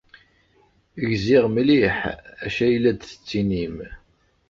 Gziɣ mliḥ d acu ay la d-tettinim.